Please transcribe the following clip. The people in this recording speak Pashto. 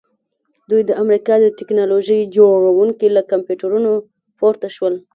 دوی د امریکا د ټیکنالوژۍ جوړونکي له کمپیوټرونو پورته شول